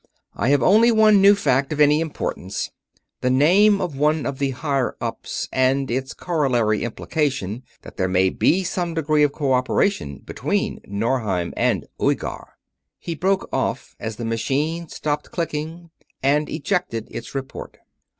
"I have only one new fact of any importance; the name of one of the higher ups and its corollary implication that there may be some degree of cooperation between Norheim and Uighar...." He broke off as the machine stopped clicking and ejected its report.